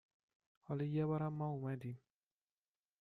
حالا یه بارم ما اومدیم